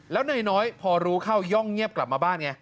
แล้วนายน้อยพอรู้เข้าย่องเงียบกลับมาบ้านไง